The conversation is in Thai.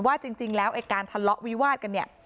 ว่าจริงแล้วไอ้การทะเลาะวิวาดกันเนี่ย